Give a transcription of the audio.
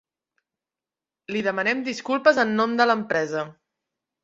Li demanem disculpes en nom de l'empresa.